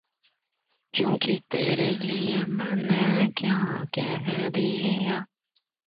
He played college football at Indiana.